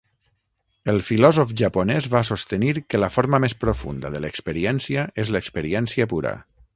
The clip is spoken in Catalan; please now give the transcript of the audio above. El filòsof japonès va sostenir que la forma més profunda de l'experiència és l'experiència pura.